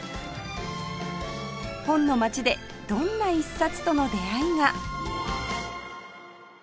本の街でどんな一冊との出会いが？